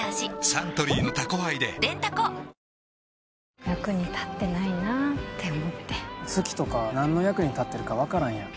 サントリーの「タコハイ」ででんタコ役に立ってないなって思って月とかなんの役に立ってるかわからんやん